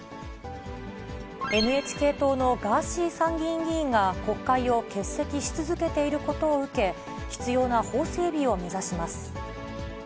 ＮＨＫ党のガーシー参議院議員が国会を欠席し続けていることを受け、必要な法整備を目指します。